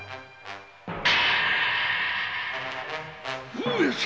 上様？